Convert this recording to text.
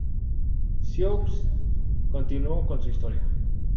Sioux continuó con su historia.